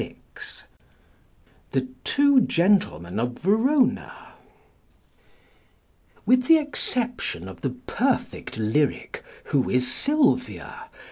THE TWO GENTLEMEN OF VERONA With the exception of the perfect lyric "Who is Sylvia?"